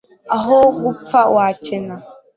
aho gupfa wakena